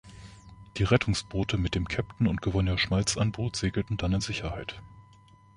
Die Rettungsboote mit dem Kapitän und Gouverneur Schmaltz an Bord segelten dann in Sicherheit.